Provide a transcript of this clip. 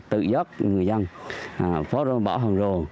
tự giấc người dân phó rộng bỏ hồn rồ